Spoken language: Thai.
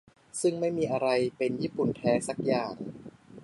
ซึ่งไม่มีอะไรเป็น "ญี่ปุ่นแท้" สักอย่าง